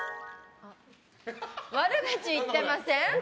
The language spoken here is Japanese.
悪口言ってません？